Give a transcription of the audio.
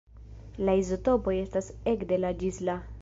La izotopoj estas ekde La ĝis La.